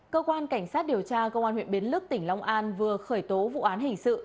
cơ quan cảnh sát điều tra công an huyện bến lức tỉnh long an vừa khởi tố vụ án hình sự